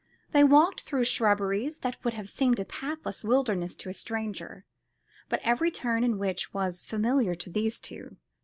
They walked through shrubberies that would have seemed a pathless wilderness to a stranger, but every turn in which was familiar to these two.